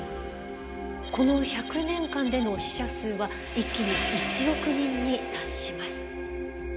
この１００年間での死者数は一気に１億人に達します。